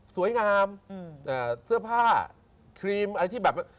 สวยงามเสื้อผ้าครีมอะไรที่แบบ